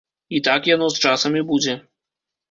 І так яно з часам і будзе.